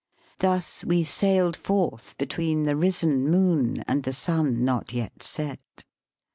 Thus we sailed forth be tween the risen moon and the sun not yet set.